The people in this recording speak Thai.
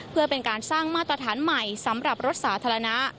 เพื่อเป็นการสร้างมาตรฐานใหม่สำหรับรถสาธารณะ